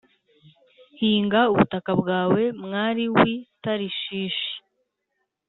Hinga ubutaka bwawe, mwari w’i Tarishishi,